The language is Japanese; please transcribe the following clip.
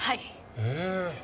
へえ！